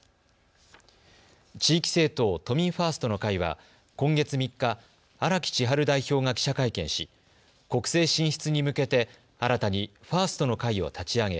地域政党、都民ファーストの会は今月３日、荒木千陽代表が記者会見し国政進出に向けて新たにファーストの会を立ち上げ